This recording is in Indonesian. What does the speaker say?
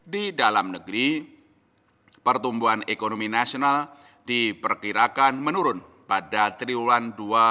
di dalam negeri pertumbuhan ekonomi nasional diperkirakan menurun pada triwulan dua ribu dua puluh